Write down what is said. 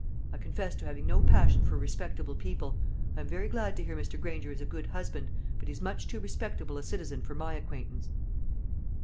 I confess to having no passion for respectable people. I am very glad to hear Mr. Granger is a good husband; but he's much too respectable a citizen for my acquaintance."